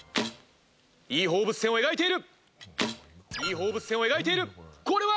いい放物線を描いている。